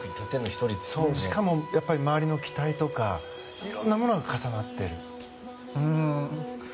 しかも、周りの期待とかいろいろなものが重なって。